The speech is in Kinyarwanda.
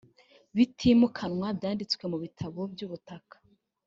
bitimukanwa byanditse mu bitabo by ubutaka